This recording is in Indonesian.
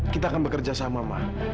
kita akan bekerja sama ma